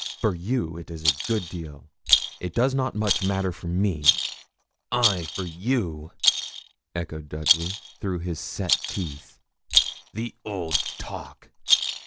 For you it is a good deal it does not much matter for me.' 'Ay, for you!' echoed Dudley, through his set teeth. 'The old talk!'